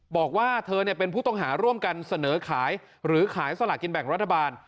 บอกว่าเธอเป็นผู้ต้องหาร่วมกันเสนอขายหรือขายสลากินแบ่งรัฐบาล